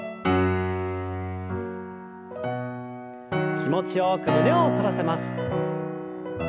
気持ちよく胸を反らせます。